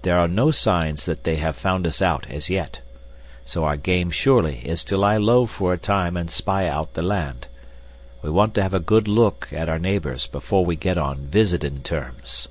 There are no signs that they have found us out as yet. So our game surely is to lie low for a time and spy out the land. We want to have a good look at our neighbors before we get on visitin' terms."